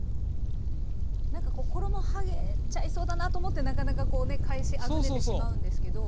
何かこう衣はげちゃいそうだなと思ってなかなかこうね返しあぐねてしまうんですけど。